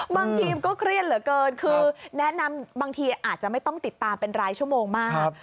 บางทีก็เครียดเหลือเกินคือแนะนำบางทีอาจจะไม่ต้องติดตามเป็นรายชั่วโมงมาก